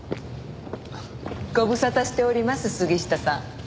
ご無沙汰しております杉下さん。